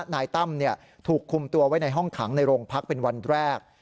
นายตั้มถูกคุมตัวไว้ในห้องขังในโรงพักเป็นวันแรก